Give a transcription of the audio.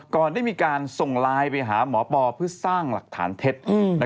ก่อนได้มีการส่งไลน์ไปหาหมอปอเพื่อสร้างหลักฐานเท็จ